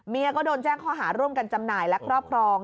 ก็โดนแจ้งข้อหาร่วมกันจำหน่ายและครอบครอง